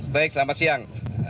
baik selamat siang